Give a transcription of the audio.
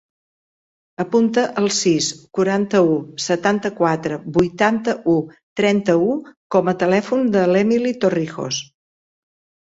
Apunta el sis, quaranta-u, setanta-quatre, vuitanta-u, trenta-u com a telèfon de l'Emily Torrijos.